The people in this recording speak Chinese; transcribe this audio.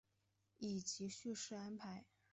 以及叙事安排